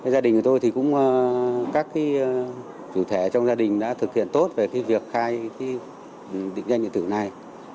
gia đình của tôi thì cũng các chủ thể trong gia đình đã thực hiện tốt về việc khai định danh điện tử này